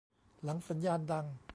หลังสัญญาณดัง